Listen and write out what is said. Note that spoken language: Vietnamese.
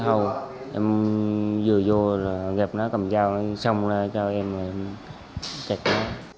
thôi em vừa vô rồi gặp nó cầm giao lại xong rồi cho em cạch nó